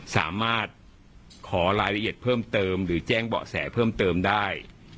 สามารถขอรายละเอียดเพิ่มเติมหรือแจ้งเบาะแสเพิ่มเติมได้